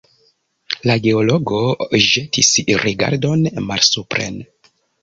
La geologo ĵetis rigardon malsupren.